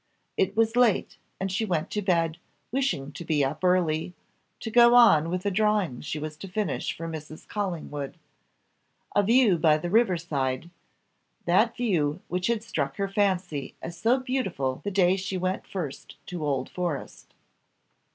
It was late, and she went to bed wishing to be up early, to go on with a drawing she was to finish for Mrs. Collingwood a view by the river side, that view which had struck her fancy as so beautiful the day she went first to Old Forest.